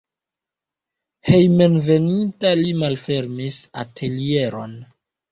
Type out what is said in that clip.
Hejmenveninta li malfermis atelieron.